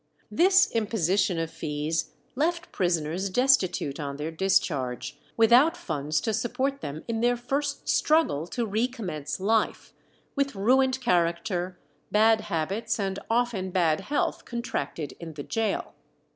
This imposition of fees left prisoners destitute on their discharge, without funds to support them in their first struggle to recommence life, with ruined character, bad habits, and often bad health contracted in the gaol.